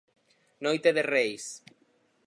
Noite de Reis.